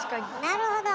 なるほど！